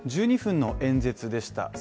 １２分の演説でした。